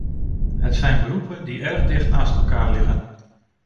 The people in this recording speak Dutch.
Het zijn beroepen die erg dicht naast elkaar liggen.